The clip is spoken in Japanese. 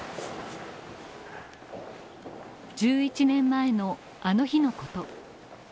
１１年前のあの日のこと。